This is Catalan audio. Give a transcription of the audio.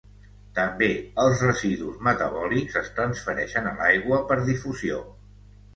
També els residus metabòlics es transfereixen a l'aigua per difusió.